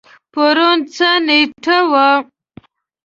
پرون څه نیټه وه؟